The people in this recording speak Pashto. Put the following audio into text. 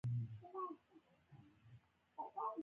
غرمه د طبیعي نظم ښکارندویي کوي